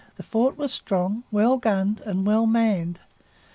The fort was strong, well gunned, and well manned.